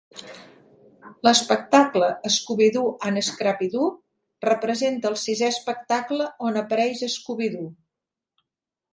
L"espectable "Scooby-Doo and Scrappy-Doo" representa el sisè espectable on apareix Scooby-Doo.